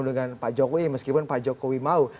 dengan pak jokowi meskipun pak jokowi mau